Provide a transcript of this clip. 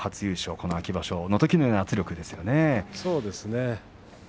あの秋場所のときのようなそうですね。